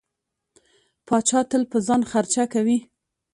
پاچا تل په ځان خرچه کوي.